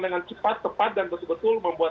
dengan cepat tepat dan betul betul membuat